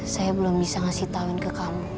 saya belum bisa ngasih tahu ke kamu